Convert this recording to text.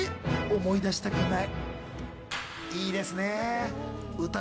思い出したくない。